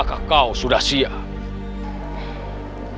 apakah kau sudah siap